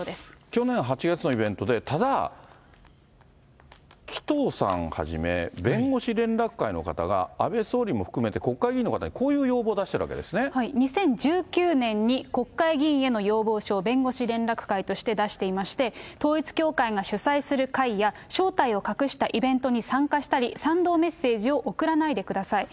去年８月のイベントで、ただ、紀藤さんはじめ弁護士連絡会の方が、安倍総理も含めて国会議員の方にこういう要望を出しているわけで２０１９年に国会議員への要望書、弁護士連絡会として出していまして、統一教会が主催する会や、正体を隠したイベントに参加したり、賛同メッセージを送らないでください。